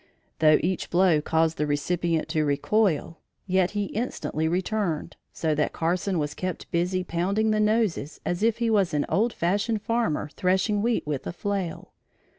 Though each blow caused the recipient to recoil, yet he instantly returned, so that Carson was kept busy pounding the noses as if he was an old fashioned farmer threshing wheat with a flail.